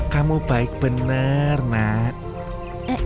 kamu baik benar nak